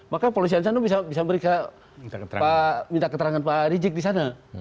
maka polisian sana bisa minta keterangan pak rizik di sana